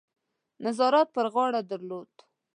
نظارت پر غاړه درلود.